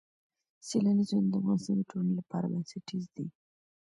سیلاني ځایونه د افغانستان د ټولنې لپاره بنسټیز دي.